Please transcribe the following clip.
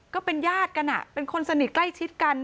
ก็เป็นญาติกันเป็นคนสนิทใกล้ชิดกัน